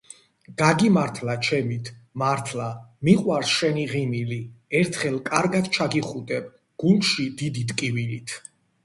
გაგიმართლა ჩემით მართლა, მიყვარს შენი ღიმილი, ერთხელ კარგად ჩაგიხუტებ გულში დიდი ტკივილით.